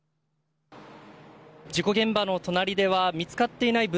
事故現場の隣では見つかっていない豚